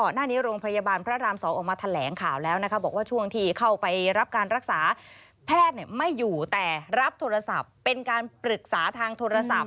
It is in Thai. หน้านี้โรงพยาบาลพระราม๒ออกมาแถลงข่าวแล้วนะคะบอกว่าช่วงที่เข้าไปรับการรักษาแพทย์ไม่อยู่แต่รับโทรศัพท์เป็นการปรึกษาทางโทรศัพท์